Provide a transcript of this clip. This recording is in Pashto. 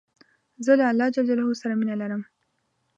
زه له الله ج سره مینه لرم.